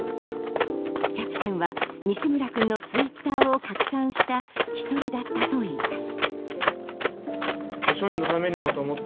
キャプテンは西村君のツイッターを拡散した１人だったといいます。